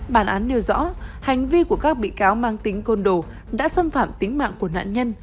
bản án nêu rõ hành vi của các bị cáo mang tính côn đồ đã xâm phạm tính mạng của nạn nhân